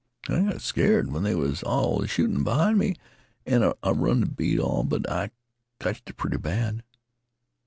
I got skeared when they was all a shootin' b'hind me an' I run t' beat all, but I cotch it pretty bad.